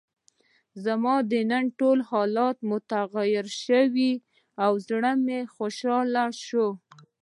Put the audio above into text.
زما دننه ټول حالات متغیر شول او زړه مې خوشحاله شو.